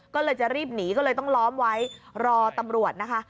ก็เลยจะรีบหนีก็เลยต้องล้อมไว้รอตำรวจนะคะ